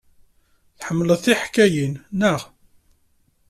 Tḥemmleḍ tiḥkayin, naɣ?